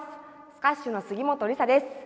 スカッシュの杉本梨沙です。